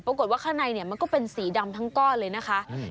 ข้างในเนี่ยมันก็เป็นสีดำทั้งก้อนเลยนะคะ